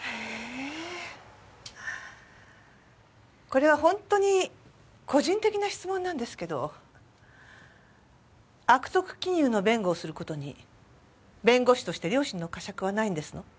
これはほんとに個人的な質問なんですけど悪徳金融の弁護をする事に弁護士として良心の呵責はないんですの？